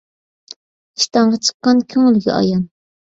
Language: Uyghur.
ئىشتانغا چىققان كۆڭۈلگە ئايان.